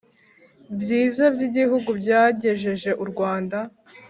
byiza by Igihugu byagejeje u Rwanda